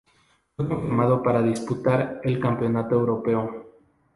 Fue confirmado para disputar el Campeonato Europeo.